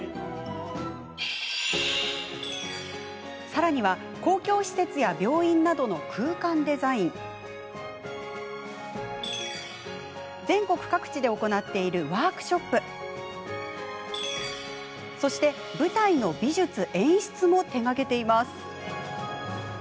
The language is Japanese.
さらには、公共施設や病院などの空間デザイン全国各地で行っているワークショップそして、舞台の美術、演出も手がけています。